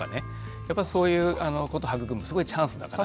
やっぱりそういうこと育むすごいチャンスだから。